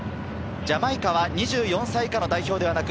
ジャマイカは２４歳以下の代表ではなく。